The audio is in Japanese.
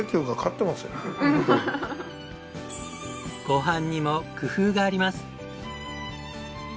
ご飯にも工夫があります。